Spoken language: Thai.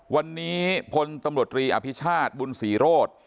วันนี้พลตำรวจรีอภิชาติบุญศรีโรธ